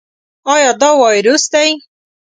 ایا دا وایروس دی؟